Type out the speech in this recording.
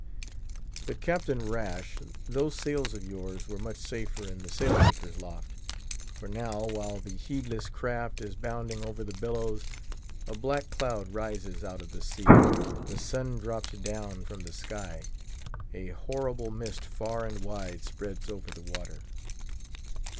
But, Captain Rash, those sails of yours were much safer in the sail maker's loft. For now, while the heedless craft is bounding over the billows, a black cloud rises out of the sea; the sun drops down from the sky; a horrible mist far and wide spreads over the water.